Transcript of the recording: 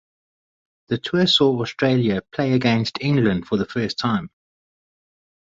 The tour saw Australia play against England for the first time.